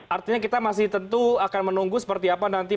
artinya kita masih tentu akan menunggu seperti apa nanti